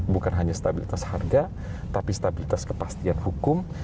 bukan hanya stabilitas harga tapi stabilitas kepastian hukum